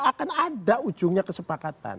akan ada ujungnya kesepakatan